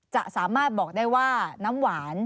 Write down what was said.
จะสามารถบอกได้ว่า